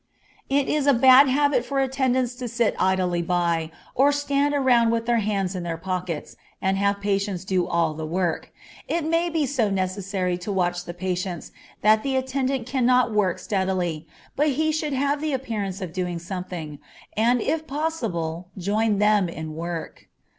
It is a bad habit for attendants to sit idly by, or stand around with their hands in their pockets, and have patients do all the work. It may be so necessary to watch the patients that the attendant cannot work steadily, but he should have the appearance of doing something, and if possible join with them in work.